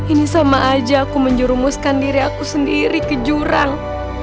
ini sama aja aku menjerumuskan diri aku sendiri ke jurang